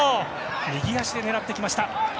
右足で狙ってきました。